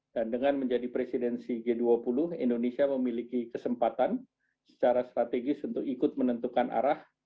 dan dengan menjadi presidensi g dua puluh indonesia memiliki kesempatan secara strategis untuk ikut menentukan arah